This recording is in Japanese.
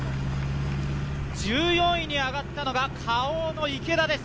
１４位に上がったのがＫａｏの池田です。